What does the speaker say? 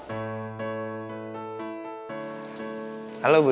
hai yang kemana lagi sirih